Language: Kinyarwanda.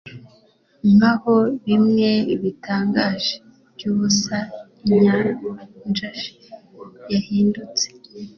Nkaho bimwe bitangaje byubusa inyanjashell yahindutse